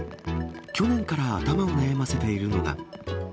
去年から頭を悩ませているのが。